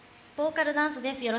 ボーカルダンスです。